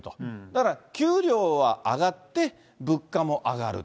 だから、給料は上がって、物価も上がる。